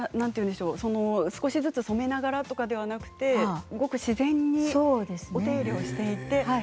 少しずつ染めながらとかではなくごく自然にお手入れをしていて？